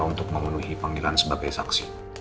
untuk memenuhi panggilan sebagai saksi